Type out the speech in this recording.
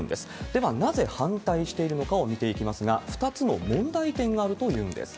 ではなぜ反対しているのかを見ていきますが、２つの問題点があるというんです。